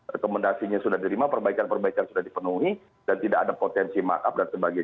rekomendasinya sudah diterima perbaikan perbaikan sudah dipenuhi dan tidak ada potensi markup dan sebagainya